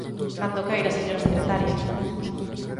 Cando queira, señora secretaria.